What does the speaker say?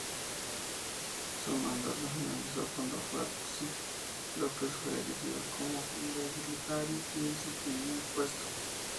Su mandato finalizó cuando Patxi López fue elegido nuevo lehendakari y suprimió el puesto.